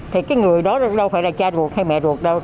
thì cái người đó đâu phải là cha ruột hay mẹ ruột đâu